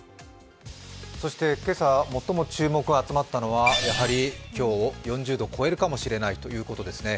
今朝、最も注目が集まったのは、今日４０度を超えるかもしれないということですね。